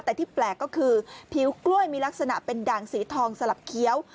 แต่ที่แปลกก็คือผิวกล้วยมีลักษณะเป็นด่างสีทองสลับเคี้ยว